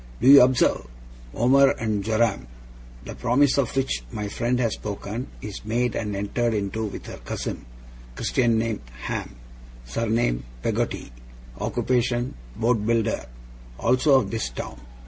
Do you observe? Omer and Joram. The promise of which my friend has spoken, is made and entered into with her cousin; Christian name, Ham; surname, Peggotty; occupation, boat builder; also of this town.